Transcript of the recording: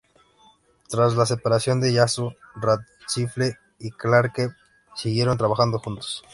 Tras la separación de Yazoo, Radcliffe y Clarke siguieron trabajando juntos.